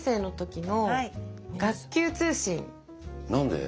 何で？